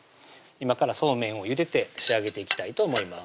今からそうめんをゆでて仕上げていきたいと思います